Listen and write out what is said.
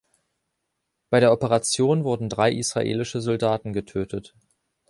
Bei der Operation wurden drei israelische Soldaten getötet.